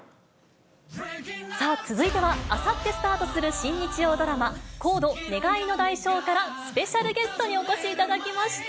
さあ、続いてはあさってスタートする新日曜ドラマ、ＣＯＤＥ願いの代償から、スペシャルゲストにお越しいただきました。